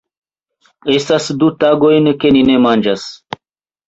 Estas du tagojn ke ni ne manĝas.